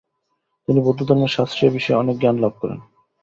তিনি বৌদ্ধধর্মের শাস্ত্রীয় বিষয়ে অনেক জ্ঞান লাভ করেন।